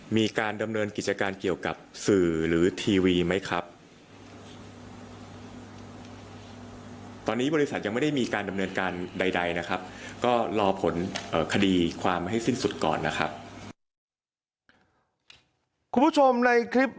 มีการดำเนินกิจการเกี่ยวกับสื่อหรือทีวีไหมครับ